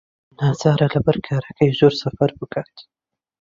ناچارە لەبەر کارەکەی زۆر سەفەر بکات.